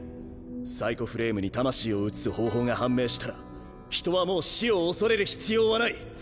サイコフレームに魂を移す方法が判明したら人はもう死を恐れる必要はない。